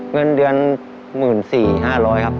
เงินเดือน๑๔๐๐๕๐๐ครับ